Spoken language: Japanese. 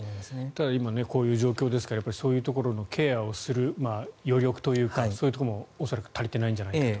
ただ、今こういう状況ですからそういうところのケアをする余力というか、そういうところも恐らく足りていないんじゃないかと。